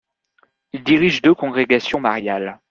Il dirige deux congrégations mariales.